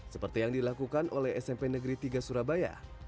seperti yang dilakukan oleh smp negeri tiga surabaya